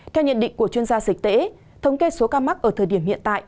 theo nhận định của chuyên gia dịch tễ thống kê số ca mắc ở thời điểm hiện tại